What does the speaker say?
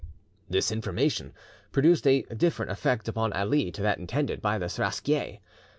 This information produced a different effect upon Ali to that intended by the Seraskier.